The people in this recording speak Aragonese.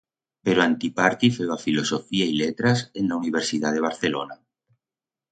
Pero antiparti feba Filosofía y Letras en la Universidat de Barcelona.